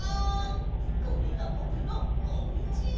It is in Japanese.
これがぼくのおうち！